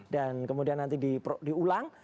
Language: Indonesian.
dan kemudian nanti diulang